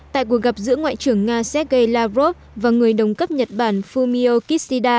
tại cuộc gặp giữa ngoại trưởng nga sergei lavrov và người đồng cấp nhật bản fumio kishida